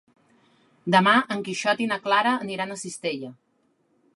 Demà en Quixot i na Clara aniran a Cistella.